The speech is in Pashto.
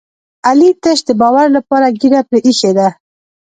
علي تش د باور لپاره ږېره پرې ایښې ده.